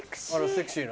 セクシー。